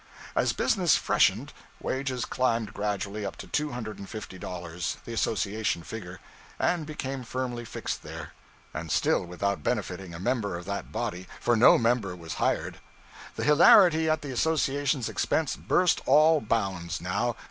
As business freshened, wages climbed gradually up to two hundred and fifty dollars the association figure and became firmly fixed there; and still without benefiting a member of that body, for no member was hired. The hilarity at the association's expense burst all bounds, now.